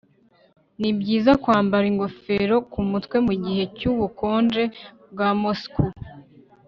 nibyiza kwambara ingofero kumutwe mugihe cyubukonje bwa moscou